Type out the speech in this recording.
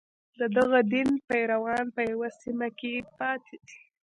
د دغه دین پیروان په یوه سیمه کې پاتې دي.